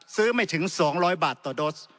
ไม่ถึง๒๐๐บาทต่อโดส